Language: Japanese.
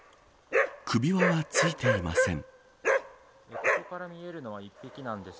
首輪はついていません。